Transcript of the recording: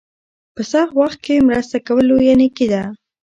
په سخت وخت کې مرسته کول لویه نیکي ده.